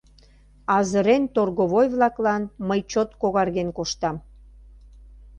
Азырен торговой-влаклан мый чот когарген коштам.